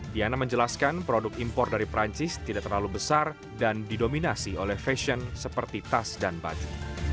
diana menjelaskan produk impor dari perancis tidak terlalu besar dan didominasi oleh fashion seperti tas dan baju